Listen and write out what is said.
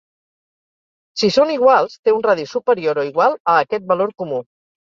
Si són iguals, té un radi superior o igual a aquest valor comú.